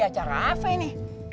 ada acara apa ini